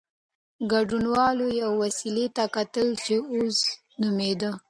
ګډونوالو یوې وسيلې ته کتل چې "اوز" نومېده.